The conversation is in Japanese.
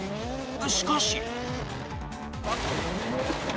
しかし。